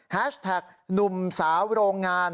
แท็กหนุ่มสาวโรงงาน